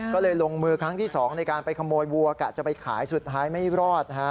ก็เลยลงมือครั้งที่๒ในการไปขโมยวัวกะจะไปขายสุดท้ายไม่รอดนะฮะ